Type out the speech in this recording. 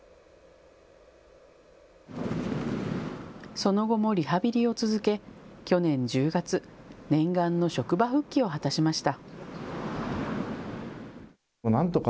その後もリハビリを続け去年１０月、念願の職場復帰を果たしました。